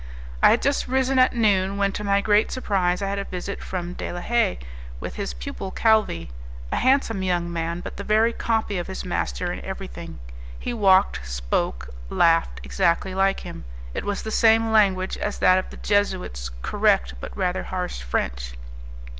I had just risen at noon, when to my great surprise I had a visit from De la Haye with his pupil Calvi, a handsome young man, but the very copy of his master in everything. He walked, spoke, laughed exactly like him; it was the same language as that of the Jesuits correct but rather harsh French.